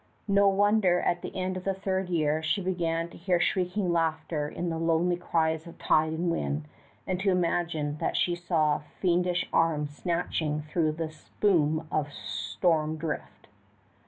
No wonder at the end of the third year she began to hear shrieking laughter in the lonely cries of tide and wind, and to imagine that she saw fiendish arms snatching through the spume of storm drift.